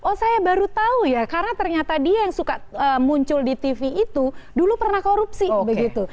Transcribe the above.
oh saya baru tahu ya karena ternyata dia yang suka muncul di tv itu dulu pernah korupsi begitu